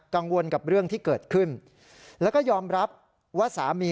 กังวลกับเรื่องที่เกิดขึ้นแล้วก็ยอมรับว่าสามี